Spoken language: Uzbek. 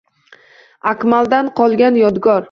Akmaldan qolgan Yodgor